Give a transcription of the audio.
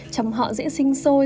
chồng họ dễ sinh sôi